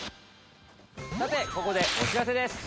さてここでお知らせです。